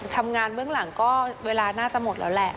เบื้องหลังก็เวลาน่าจะหมดแล้วแหละ